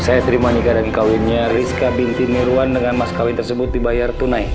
saya terima nikah dan kawinnya rizka binti niruan dengan mas kawin tersebut dibayar tunai